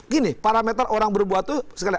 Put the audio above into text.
gini parameter orang berbuat itu sekali